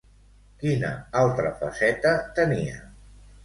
Quina altra faceta tenia?